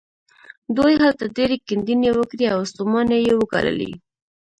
دوی هلته ډېرې کيندنې وکړې او ستومانۍ يې وګاللې.